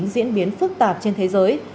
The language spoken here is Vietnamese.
diễn biến phức tạp trên thế giới